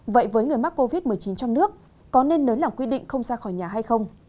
vậy với người mắc covid một mươi chín trong nước có nên nới lỏng quy định không ra khỏi nhà hay không